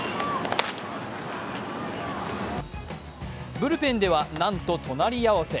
ブルペンでは、なんと隣り合わせ。